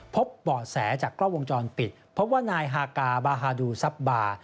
พบเบาะแสจากกล้องวงจรปิดพบว่านายฮากาบาฮาดูซับบาร์